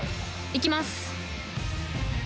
行きます。